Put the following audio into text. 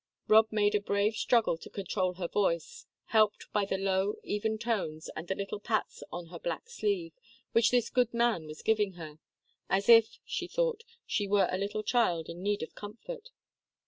Rob made a brave struggle to control her voice, helped by the low, even tones, and the little pats on her black sleeve which this good man was giving her as if, she thought, she were a little child in need of comfort.